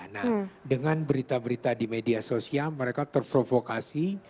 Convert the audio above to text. nah dengan berita berita di media sosial mereka terprovokasi